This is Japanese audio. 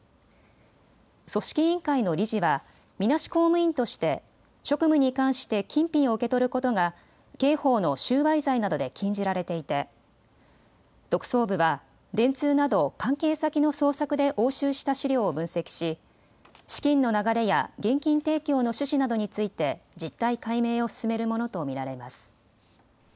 組織委員会の理事はみなし公務員として職務に関して金品を受け取ることが刑法の収賄罪などで禁じられていて特捜部は電通など関係先の捜索で押収した資料を分析し資金の流れや現金提供の趣旨などについて実態解明を進めるものと見られます。